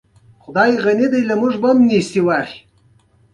ما دا مقالې له همدې ځایه په بېلابېلو وختونو کې راژباړلې دي.